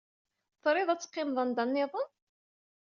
Trid ad teqqimed anda niḍen?